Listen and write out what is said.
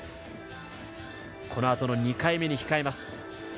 このあとの２回目に控えます。